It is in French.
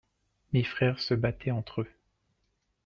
Mes frères se battaient entre-eux.